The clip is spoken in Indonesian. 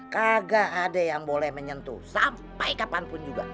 kagak ada yang boleh menyentuh sampai kapanpun juga